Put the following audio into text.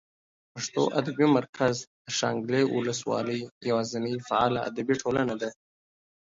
پښتو ادبي مرکز د شانګلې اولس والۍ یواځینۍ فعاله ادبي ټولنه ده